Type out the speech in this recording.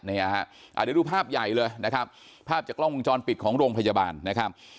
เดี๋ยวดูภาพใหญ่เลยนะครับภาพจากกล้องวงจรปิดของโรงพยาบาลนะครับ